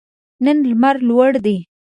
نن لمر لوړ دی